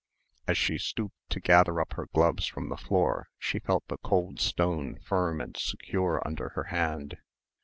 As she stooped to gather up her gloves from the floor she felt the cold stone firm and secure under her hand.